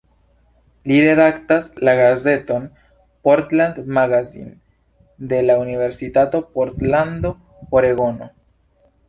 Li redaktas la gazeton "Portland Magazine" de la Universitato Portlando, Oregono.